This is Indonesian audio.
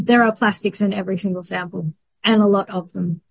ada plastik di setiap sampel dan banyaknya